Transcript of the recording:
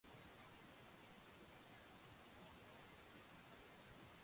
ni vizuri kwa kweli tukamaliza salama na kwa amani